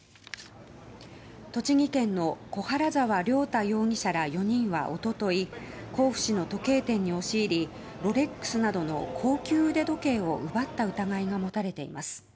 栃木県の小原澤亮太容疑者ら４人は一昨日甲府市の時計店に押し入りロレックスなどの高級腕時計を奪った疑いが持たれています。